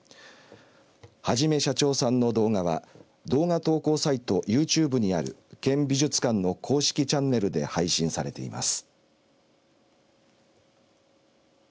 はじめしゃちょーさんの動画は動画投稿サイトユーチューブにある県美術館の公式チャンネルで配信されています。